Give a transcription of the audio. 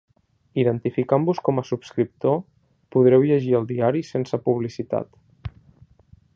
Identificant-vos com a subscriptor, podreu llegir el diari sense publicitat.